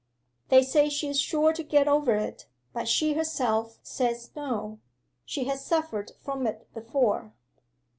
They say she is sure to get over it; but she herself says no. She has suffered from it before.